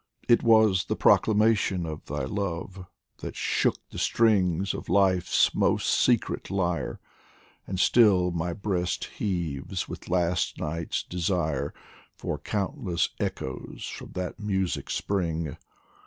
It was the proclamation of thy love That shook the strings of Life's most secret lyre, And still my breast heaves with last night's desire, For countless echoes from that music sprang.